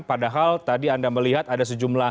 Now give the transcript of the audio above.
padahal tadi anda melihat ada sejumlah